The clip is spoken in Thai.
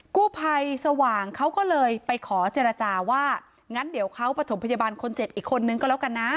กู้ภัยสว่างเขาก็เลยไปขอเจรจาว่างั้นเดี๋ยวเขาประถมพยาบาลคนเจ็บอีกคนนึงก็แล้วกันนะ